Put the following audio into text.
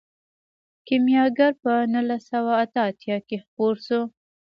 کیمیاګر په نولس سوه اته اتیا کې خپور شو.